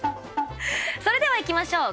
それではいきましょう。